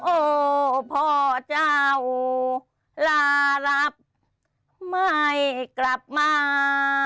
โอ้พ่อเจ้าลารับไม่กลับมา